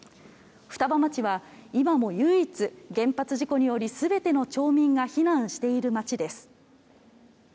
双葉町は今も唯一原発事故により全ての町民が避難している町です。